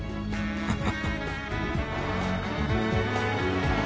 ハハハ。